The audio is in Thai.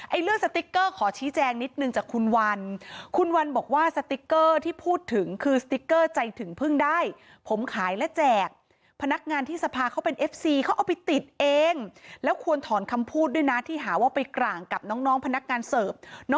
ไอ้เรื่องสติ๊กเกอร์ขอชี้แจงนิดนึงจากคุณวัน